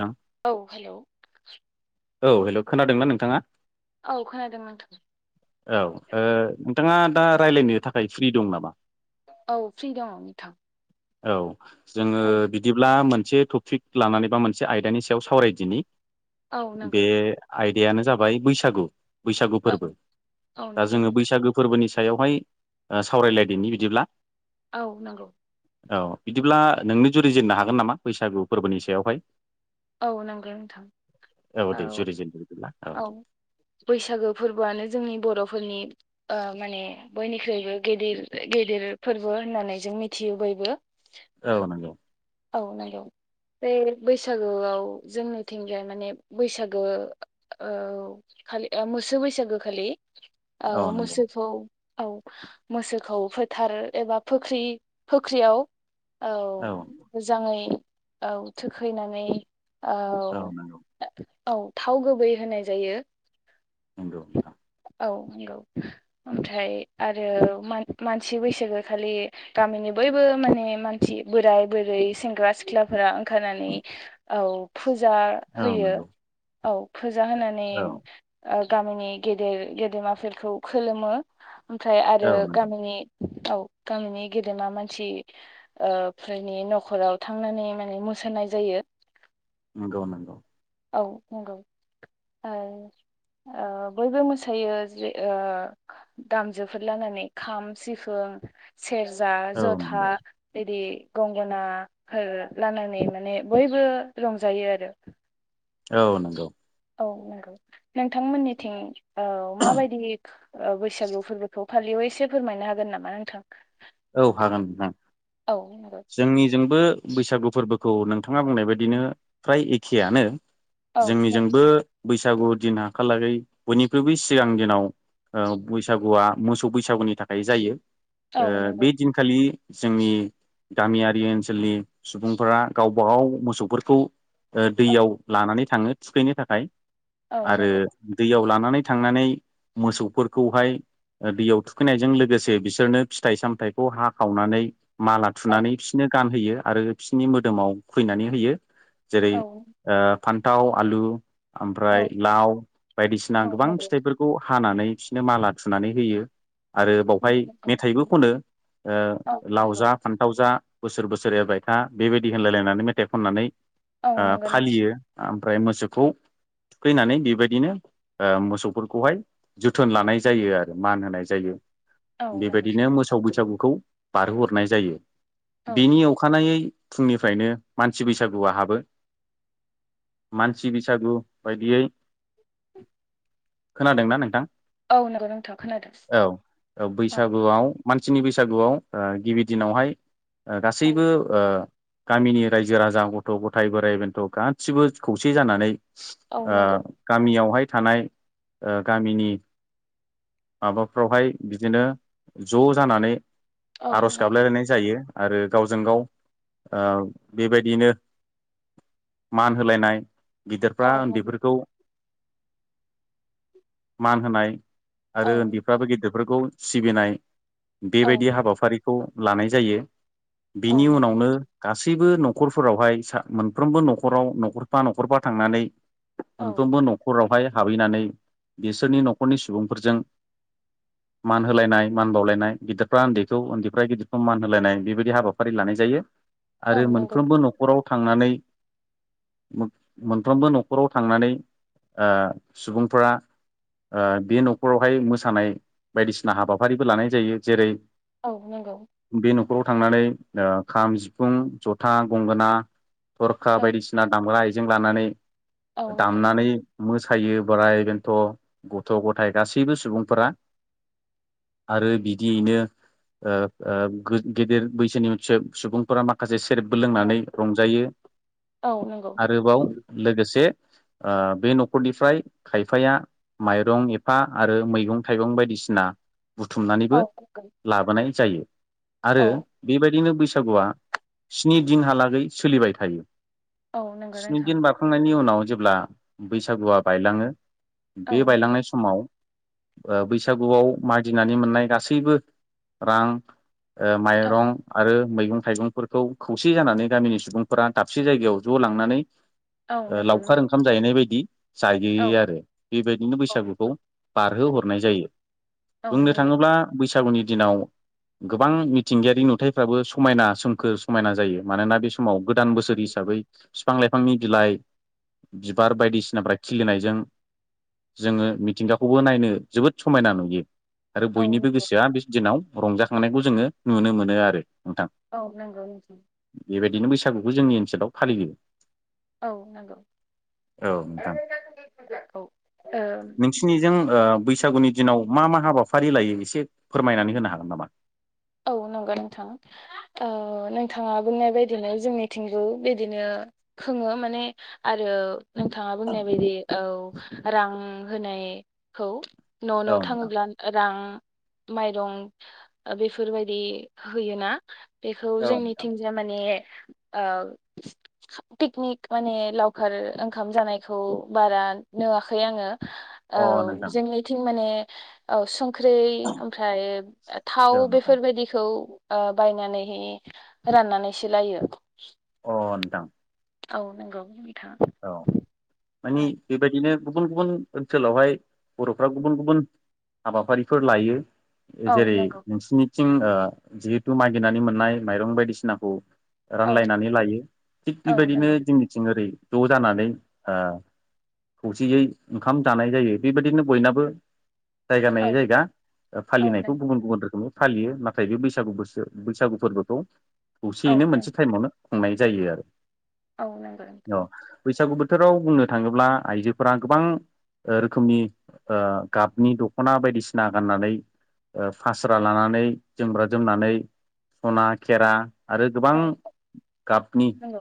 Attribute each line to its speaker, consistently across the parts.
Speaker 1: थां
Speaker 2: औ हेल'
Speaker 1: औ हेल' खोनादोंना नोंथाङा
Speaker 2: औ खोनादों नोंथां
Speaker 1: औ ओ नोंथाङा दा रायज्लायनो थाखाय फ्रि दं नामा
Speaker 2: औ फ्रि दङ नोंथां
Speaker 1: औ जोङो
Speaker 2: औ
Speaker 1: बिदिब्ला मोन से टपिक लानानै बा मोनसे आयदानि सायाव सावरायदिनि
Speaker 2: औ
Speaker 1: बे
Speaker 2: नंगौ
Speaker 1: आय मानो जाबाय बैसागु बैसागु
Speaker 2: औ
Speaker 1: फोरबो
Speaker 2: औ
Speaker 1: दा
Speaker 2: नंगौ
Speaker 1: जोङो
Speaker 2: नोंथां
Speaker 1: बैसागु फोरबोनि सा सायावहाय सावरायलायदिनि बिदिब्ला
Speaker 2: औ नंगौ
Speaker 1: औ बिदिब्ला नोंनो जुरि जेननो हागोन नामा बैसागु फोरबोनि सायावहाय
Speaker 2: औ नंगौ नोंथां
Speaker 1: दे
Speaker 2: औ
Speaker 1: जुरिजेनदो बिदिब्ला
Speaker 2: औ बैसागो फोरबोआनो जोंनि बर' फोरनि ओ माने बयनिख्रुइबो गेदिर गेदेर फोरबो होननानै जों मिथियो बयबो
Speaker 1: औ नंगौ
Speaker 2: औ नंगौ बे बैसागोआव जोंनिथिंजाय माने बैसागो औ खालि ओ मोसौ बैसागो खालि औ मोसौखौ औ मोसौखौ फोथार एबा फुख्रि फुख्रियाव औ मोजाङै औ थोखैनानै औ औ थाव गुबै होनाय जायो
Speaker 1: नंगौ नोंथां
Speaker 2: औ नंगौ ओमफ्राय आरो मान मानसि बैसागो खालि गामिनि बयबो माने मानसि बोराय बोरै सेंग्रा सिख्लाफोरा ओंखारनानै औ फुजा
Speaker 1: औ
Speaker 2: होयो
Speaker 1: नंगौ
Speaker 2: औ फोजा होनानै
Speaker 1: औ
Speaker 2: ओ गामिनि गेदेर गेदेमाफोरखौ खोलुमो ओमफ्राय आरो
Speaker 1: औ नंगौ
Speaker 2: गामिनि औ गामिनि गेदेमा मानसि ओ फोरनि न'खराव थांनानै माने मोसानाय जायो
Speaker 1: नंगौ नंगौ
Speaker 2: औ नंगौ ओ बयबो मोसायो जेर दामजफोर लानानै खाम सिफोन सेरजा
Speaker 1: औ नंगौ
Speaker 2: जथा बिदि गंगनाफोर
Speaker 1: औ नंगौ
Speaker 2: औ नंगौ नोंथांमोननिथिं औ माबायदि बैसागु फोरबोखौ फालियो एसे फोरमायनो हागोन नामा नोंथां
Speaker 1: औ हागोन नोंथां
Speaker 2: औ नंगौ
Speaker 1: जोंनिजोंबो बैसागु फोरबोखौ नोंथाङा बुंनाय बायदिनो फ्राय एखेयानो
Speaker 2: औ नों
Speaker 1: जोंनिजोंबो बैसागु दिन हा खालागै बयनिख्रुइबो सिगां दिनाव ओ बैसागुआ मोसौ बैसागुनि थाखाय जायो
Speaker 2: औ नंगौ
Speaker 1: खालि जोंनि गामियारि ओनसोलनि सुबुंफोरा गावबा गाव मोसौफोरखौ ओ
Speaker 2: औ
Speaker 1: दैयाव लानानै थांङो थुखैनो थाखाय
Speaker 2: औ
Speaker 1: आरो
Speaker 2: नंगौ
Speaker 1: दैयाव लानानै लानानै थांनानै मोसौफोरखौहाय ओ दैयाव थुखैनायजों लोगोसे बिसोरनो फिथाइ सामथाइ खौ हाखावनानै माला
Speaker 2: औ
Speaker 1: थुनानै बिसोरनो गानहोयो आरो बिसोरनि मोदोमाव खैनानै होयो जेरै
Speaker 2: औ
Speaker 1: ओ फान्थाव आलु ओमफ्राय
Speaker 2: औ
Speaker 1: लाव बायदिसिना
Speaker 2: औ
Speaker 1: गोबां
Speaker 2: नंगौ
Speaker 1: फिथाइफोरखौ हानानै बिसोरनो माला थुनानै होयो आरो बावहाय
Speaker 2: नंगौ
Speaker 1: मेथाइबो खनो ओ
Speaker 2: औ
Speaker 1: लाव
Speaker 2: नंगौ
Speaker 1: जा फान्थाव जा बोसोर बोसोर एरबाय था बेबायदि होनलायलायनानै मेथाइ खननानै
Speaker 2: औ
Speaker 1: ओ
Speaker 2: नंगौ नोंथां
Speaker 1: फालियो ओमफ्राय मोसौखौ फैनानै बेबायदिनो ओ मोसौफोरखौहाय जोथोन लानाय जायो आरो मान होनाय जायो
Speaker 2: औ नंगौ
Speaker 1: बेबायदिनो मोसौ बैसागुखौ बारहोहरनाय जायो
Speaker 2: औ
Speaker 1: बेनि अखानायै फुंनिफ्रायनो मानसि बैसागुआ हाबो मानसि बैसागु बायदियै [inaudible] खोनादोंना नोंथां
Speaker 2: औ नंगौ नोंथां खोनादों
Speaker 1: औ औ बैसागुआव सनि बैसागुआव ओ गिबि दिनावहाय ओ
Speaker 2: औ
Speaker 1: गासैबो ओ गामिनि रायजो राजा गथ गथाय बोराइ बेन्थ' गासिबो खौसे जानानै
Speaker 2: औ
Speaker 1: ओ
Speaker 2: नंगौ
Speaker 1: गामियावहाय थानाय ओ गामिनि माबाफ्रावहाय बिदिनो ज जानानै
Speaker 2: औ
Speaker 1: आरज
Speaker 2: नंगौ
Speaker 1: गाबलायलायनाय जायो आरो गावजों गाव ओ बेबायदियैनो मान होलायनाय गिदिरफ्रा
Speaker 2: औ नंगौ
Speaker 1: उन्दैफोरखौ [inaudible] मान होनाय
Speaker 2: औ
Speaker 1: आरो उन्दैफ्राबो गेदिरफोरखौ सिबिनाय
Speaker 2: औ
Speaker 1: बेबायदि हाबाफारिखौ लानाय जायो
Speaker 2: औ
Speaker 1: बिनि
Speaker 2: नंगौ
Speaker 1: उनावनो गासैबो नखर न'खरफोरावहाय सा मोनफ्रोमबो न'खराव न'खरफा न'खरफा थांनानै
Speaker 2: औ
Speaker 1: मोनफ्रोमबो न'खरावहाय हाबहैनानै बिसोरनि न'खरनि सुबुंफोरजों मान होलायनाय मान बावलायनाय गिदिरफ्रा उन्दैखौ उन्दैफ्रा गिदिरखौ मान होलायनाय बेबायदि हाबाफारि लानाय जायो
Speaker 2: औ
Speaker 1: आरो
Speaker 2: नंगौ
Speaker 1: मोनफ्रोमबो नखराव थांनानै मोनफ्रोमबो न'खराव थांनानै ओ सुबुंफोरा ओ बे नखरावहाय मोसानाय बायदिसिना हाबाफारिबो लानाय जायो जेरै
Speaker 2: औ नंगौ
Speaker 1: बे न'खराव थांनानै ओ खाम सिफुं जथा गंगोना थरखा
Speaker 2: औ
Speaker 1: बायदिसिना दामग्रा आइजें लानानै
Speaker 2: औ नंगौ
Speaker 1: दामनानै मोसायो बोराइ बेन्थ' गथ' गथाइ गासैबो सुबुंफोरा आरो बिदियैनो ओ ओ गो गिदिर बैसोनि सो सुबुंफोरा माखासे सेरेबबो लोंनानै रंजायो
Speaker 2: औ नंगौ
Speaker 1: आरोबाव लोगोसे ओ बे नखरनिफ्राय खायफाया माइरं एफा आरो मैगं थाइगं बायदिस सिना बुथुमनानैबो
Speaker 2: औ नंगौ
Speaker 1: लाबोनाय जायो आरो
Speaker 2: औ
Speaker 1: बेबायदिनो बैस सागुआ स्नि दिनहालागै सोलिबाय थायो
Speaker 2: औ नंगौ
Speaker 1: स्नि
Speaker 2: नोंथां
Speaker 1: दिन बारखांनायनि उनाव जेब्ला बैसागुआ बायलांङो
Speaker 2: औ
Speaker 1: बे
Speaker 2: नंगौ
Speaker 1: बायलांनाय समाव ओ बैसागुआव मागिनानै मोननाय गासै सैबो रां ओ
Speaker 2: औ
Speaker 1: माइरं आरो मैगं थाइगंफोरखौ खौसे जानानै गामिनि सुबुंफोरा दाबसे जायगायाव ज लांनानै
Speaker 2: औ
Speaker 1: ओ
Speaker 2: नंगौ
Speaker 1: लावखार
Speaker 2: नोंथां
Speaker 1: ओंखाम जायैनाय बायदि
Speaker 2: औ
Speaker 1: जाहैयो आरो बेबायदिनो
Speaker 2: औ
Speaker 1: बैसागुखौ बारहोहरनाय जायो
Speaker 2: औ
Speaker 1: बुंनो
Speaker 2: नंगौ
Speaker 1: थांङोब्ला बैसागुनि दिनाव गोबां मिथिंगायारि नुथायफ्राबो समायना सोमखोर समायना जायो मानोना बे माव गोदान बोसोर हिसाबै फिफां लाइफ फिफांनि बिलाइ बिबार बायदिसिनाफ्रा खिलिनायजों जोङो मिथिंगाखौबो नायनो जोबोद समायना नुयो आरो
Speaker 2: औ
Speaker 1: बयनिबो
Speaker 2: नंगौ
Speaker 1: गोसोआ बे दिनाव रंजाखांनायखौ जोङो नुनो मोनो आरो नोंथां
Speaker 2: औ नोंगौ नोंथां
Speaker 1: बेबायदिनो बैसागुखौ जोंनि ओनसोलाव फालियो
Speaker 2: औ नोंगौ
Speaker 1: औ नोंथां
Speaker 2: औ
Speaker 1: नोंसिनिजों ओ बैसागुनि दिनाव मा मा हाबाफारि लायो एसे फोरमायनानै होनो हागोन नामा
Speaker 2: औ नंगौ नोंथां ओ नोंथाङा बुंनाय बायदिनो जोंनिथिंगौ बिदिनो खोङो माने आरो नोंथाङा बुंनाय बायदि औ रां होनायखौ न
Speaker 1: औ
Speaker 2: न
Speaker 1: नोंथां
Speaker 2: थाङोब्ला रां माइरं ओ बेफोर फोरबायदि होयोना बेखौ जोंनिथिंजाय मानि ओ पिकनिक माने लावखार ओंखाम जानायखौ बारा नुवाखै आङो औ जोंनिथिं माने औ सब ख्रै ओमफ्राय थाव
Speaker 1: अ नोंथां
Speaker 2: बेफोरबायदिखौ ओ बायनानैहै राननानैसो लायो
Speaker 1: अ नोंथां
Speaker 2: औ नोंगौ
Speaker 1: औ मानि बेबायदिनो गुबुन गुबुन ओनसोलावहाय बर'फ्रा गुबुन गुबुन हाबाफारिफोर लायो
Speaker 2: औ
Speaker 1: जेरै
Speaker 2: नंगौ
Speaker 1: नोंसिनिथिं जिहेथु मागिनानै मोननाय माइरं बायदिसिनाखौ
Speaker 2: औ
Speaker 1: रानलायनानै लायो थिग
Speaker 2: औ
Speaker 1: बेबायदिनो
Speaker 2: नंगौ
Speaker 1: जोंनिथिं ओरै ज' जानानै ओ खौसेयै ओंखाम जानाय जायो बेबायदिनो बयनाबो जायगा
Speaker 2: औ
Speaker 1: नायै जायगा
Speaker 2: औ
Speaker 1: फालिनायखौ
Speaker 2: नों
Speaker 1: गुबुन गुबुन रोखोमनि फालियो नाथाय बे बैसागु बोसोर बैसागु फोरबोखौ
Speaker 2: औ
Speaker 1: खौसेयैनो
Speaker 2: नों
Speaker 1: मोनसे टाइमावनो खुंनाय जायो आरो
Speaker 2: औ नंगौ नों
Speaker 1: न' बैसागु बोथोराव बुंनो थाङोब्ला आइजोफोरा गोबां ओ रोखोमनि ओ गाबनि दखना बायदिसिना गाननानै ओ फास्रा लानानै जोमग्रा जोमनानै सना खेरा आरो गोबां
Speaker 2: औ
Speaker 1: गाबनि
Speaker 2: नंगौ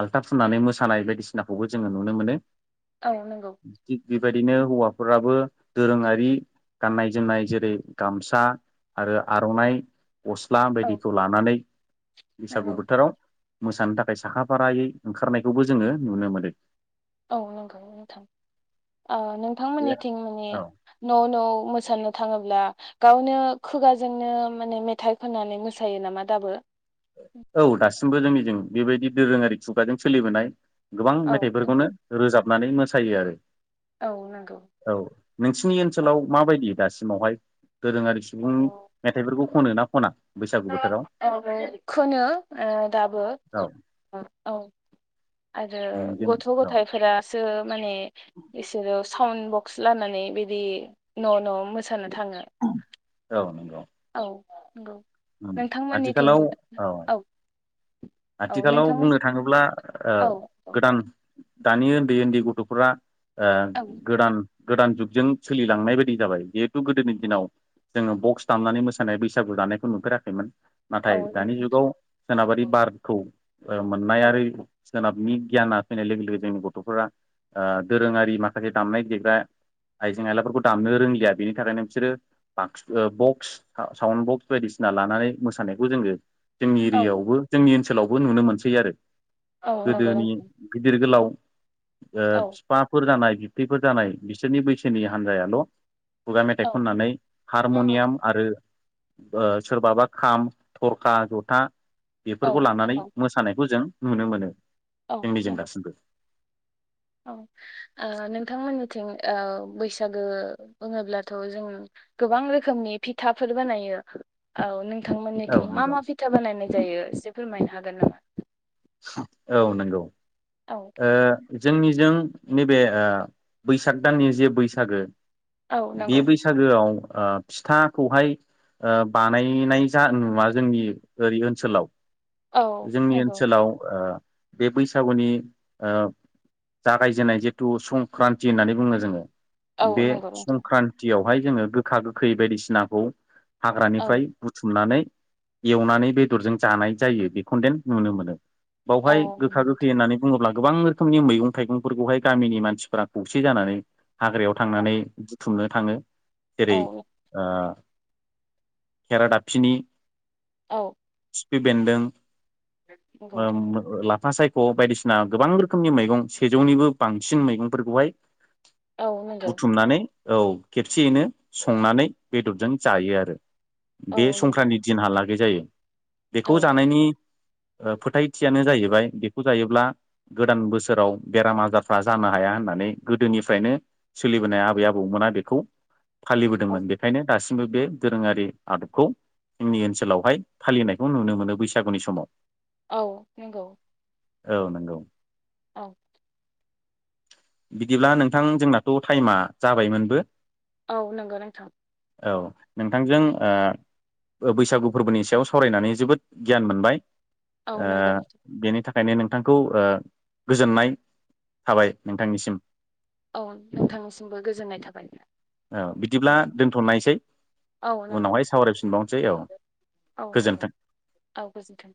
Speaker 1: आल्था फुननानै मोस सानाय बायदिसिनाखौबो जोङो नुनो मोनो
Speaker 2: औ नोंगौ
Speaker 1: थिग बेबायदिनो हौवाफोराबो दोरोङारि गाननाय जोमनाय जेरै गामसा आरो आर'नाइ गस्ला
Speaker 2: औ
Speaker 1: बायदिखौ लानानै बैसागु
Speaker 2: नंगौ
Speaker 1: बोथोराव मोसानो थाखाय साखाफारायै ओंखारनायखौबो जोङो नुनो मोनो
Speaker 2: औ नंगौ नोंथां आ
Speaker 1: बे
Speaker 2: नोंथांमोननिथिं माने
Speaker 1: औ
Speaker 2: न' न' मोसानो थाङोब्ला गावनो खुगाजोंनो माने मेथाइ खननानै मोसायो नामा दाबो
Speaker 1: औ दासिमबो जोंनि जों बेबायदि दोरोङारि खुगाजों सोलिबोनाय गोबां
Speaker 2: औ
Speaker 1: मेथाइफोरखौनो
Speaker 2: नंगौ
Speaker 1: रोजाबनानै मोसायो आरो
Speaker 2: औ नंगौ
Speaker 1: औ नोंसिनि
Speaker 2: औ
Speaker 1: ओनसोलाव माबायदि दासिमावहाय दोरोङारि सुबुं मेथाइफोरखौ खनो ना खना बैसागु बोथोराव
Speaker 2: आरो [unintelligible] नो ओ दाबो
Speaker 1: औ
Speaker 2: औ आरो
Speaker 1: जों
Speaker 2: गथ'
Speaker 1: औ
Speaker 2: गथायाइफोरासो माने इसोरो साउन्ड बक्स लानानै बिदि न' न' मोसानो थाङो।
Speaker 1: औ नंगौ।
Speaker 2: औ नंगौ नोंथांमोननिथिं औ। औ
Speaker 1: आथिखालाव
Speaker 2: नोंथां
Speaker 1: बुंनो थाङोब्ला ओ
Speaker 2: औ औ
Speaker 1: गोदान दानि उन्दै उन्दै गथ'फोरा ओ
Speaker 2: औ
Speaker 1: गोदान गोदान जुगजों सोलिलांनाय बायदि जाबाय जिहेथु गोदोनि दिनाव जोङो बक्स दामनानै मोसानाय बैसागु जानायखौ नुफेराखैमोन
Speaker 2: औ
Speaker 1: नाथाय दानि
Speaker 2: नोंथां
Speaker 1: जुगाव सोनाबारि बारखौ ओ मोननाय आरो सोनाबनि गियाना फैनाय लोगो लोगो जोंनि गथ'फोरा ओ दोरोङारि माखासे दामनाय देग्रा आइजें आयलाफोरखौ दामनो रोंलिया बेनि थाखायनो बिसोरो बाक्स ओ बक्स साउन्ड बक्स बायदिसि ना लानानै मोसानायखौ जोङो जोंनि
Speaker 2: औ
Speaker 1: एरियायावबो जोंनि ओनसोलावबो नुनो मोनसै आरो
Speaker 2: औ नंगौ
Speaker 1: गोदोनि
Speaker 2: नोंथां
Speaker 1: गिदिर गोलाव ओ
Speaker 2: औ
Speaker 1: बिफाफोर जानाय बिबथैफोर जानाय बिसोरनि बैसोनि हान्जायाल' खुगा मेथाइ
Speaker 2: औ
Speaker 1: खननानै
Speaker 2: औ नंगौ
Speaker 1: हारमनियाम आरो ओ सोरबाबा खाम थरखा जथा
Speaker 2: औ
Speaker 1: फोरखौ लानानै
Speaker 2: नंगौ
Speaker 1: मोसानायखौ जों नुनो मोनो जोंनि जों दासिमबो
Speaker 2: ओ नोंथांमोननिथिं ओ बैसागो बुङोब्लाथ' जोङो गोबां रोखोमनि फिथाफोर बानायो औ नों
Speaker 1: औ
Speaker 2: थांमोननिथिं मा
Speaker 1: नंगौ
Speaker 2: मा फिथा बानायनाय जायो एसे फोरमायनो हागोन नामा?
Speaker 1: औ नंगौ
Speaker 2: औ
Speaker 1: ओ। जोंनिजों नैबे ओ बैसाग दाननि जे बैसागो
Speaker 2: औ
Speaker 1: बे
Speaker 2: नंगौ
Speaker 1: बैसागोआव ओ फिथाखौहाय ओ बानायनाय जा नुवा जोंनि ओरै ओनसोलाव
Speaker 2: औ
Speaker 1: जोंनि
Speaker 2: नंगौ
Speaker 1: ओनसोलाव ओ बे बैसागुनि ओ जागायजेननाय जिथु संक्रान्ति होननानै बुङो जोङो
Speaker 2: औ
Speaker 1: बे
Speaker 2: नंगौ नोंथां
Speaker 1: संक्रान्तियाव बेवहाय जोङो गोखा गोखै बायदिसिनाखौ
Speaker 2: औ
Speaker 1: हाग्रानिफ्राय बुथुमनानै एवनानै बेदरजों जानाय जायो बेखौ देन नुनो मोनो।
Speaker 2: औ
Speaker 1: बावहाय गोखा गोखै
Speaker 2: नंगौ
Speaker 1: होननानै बुङोब्ला गोबां रोखोमनि मैगं थाइगंफोरखौहाय गामिनि मानसिफोरा खौसे जानानै हाग्रायाव
Speaker 2: औ
Speaker 1: थांनानै बुथुमनो थाङो जेरै ओ खेरा दाबफिनि
Speaker 2: औ
Speaker 1: खिफि बेदों
Speaker 2: नंगौ
Speaker 1: उम लाफा सायख' बायदिसिना गोबां रोखोमनि मैगं सेजौनिबो बांसिन मैगंफोरखौहाय
Speaker 2: औ नंगौ
Speaker 1: बुथुमनानै औ खेबसेयैनो संनानै बेदरजों जायो आरो।
Speaker 2: औ
Speaker 1: बे संक्रान्ति दिनहालागै जायो बेखौ
Speaker 2: नंगौ
Speaker 1: जानायनि ओ‌ फोथायथियानो जाहैबाय बेखौ जायोब्ला गोदान बोसोराव बेराम आजारफ्रा जानो हाया होननानै गोदोनिफ्रायनो सोलिबोनाय आबै आबौमोन ना बेखौ
Speaker 2: औ
Speaker 1: फालिबोदोंमोन बेखायनो दासिमबो बे दोरोङारि आदबखौ जोंनि ओनसोलावहाय फालिनायखौ नुनो मोनो बैसागुनि समाव
Speaker 2: औ नंगौ।
Speaker 1: औ नंगौ।
Speaker 2: औ
Speaker 1: बिदिब्ला नोंथां जोंनाथ' टाइमा जाबायमोनबो।
Speaker 2: औ नंगौ नोंथां।
Speaker 1: औ नोंथांजों ओ ओ बैसागु फोरबोनि सायाव सावरायनानै जोबोद गियान मोनबाय।
Speaker 2: औ
Speaker 1: ओ
Speaker 2: नंगोन
Speaker 1: बेनि थाखायनो नोंथांखौ ओ गोजोननाय थाबाय नोंथांनिसिम।
Speaker 2: औ नोंथांनिसिमबो गोजोननाय थाबाय
Speaker 1: औ बिदिब्ला दोनथनायसै
Speaker 2: औ नंगौ
Speaker 1: उनावहाय सावरायफिनबावनोसै औ
Speaker 2: औ
Speaker 1: गोजोन्थों
Speaker 2: नंगौ औ गोजोन्थों